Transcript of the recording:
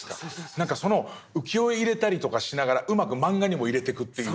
何かその浮世絵入れたりとかしながらうまくマンガにも入れてくっていう。